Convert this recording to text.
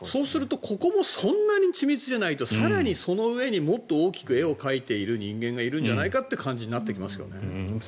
もっと緻密な更にその上に、もっと大きく絵を描いている人間がいるんじゃないかという感じになってきますよね。